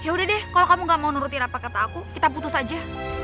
ya udah deh kalau kamu gak mau nurutin apa kata aku kita putus aja